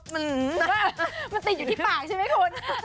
มันติดอยู่ที่ปากใช่ไหมคุณ